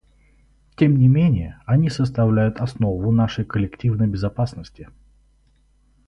Тем не менее они составляют основу нашей коллективной безопасности.